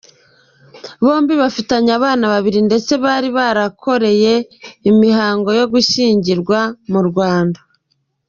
Bombi bafitanye abana babiri ndetse bari barakoreye imihango yo gushyingirwa mu Rwanda.